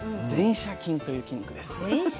前斜筋という筋肉です。